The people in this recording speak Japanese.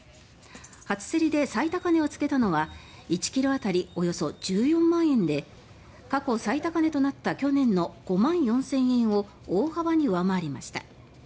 初競りで最高値をつけたのは１ｋｇ当たりおよそ１４万円で過去最高値となった去年の５万４０００円を大幅に上回りました。